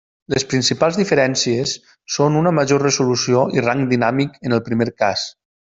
Les principals diferències són una major resolució i rang dinàmic en el primer cas.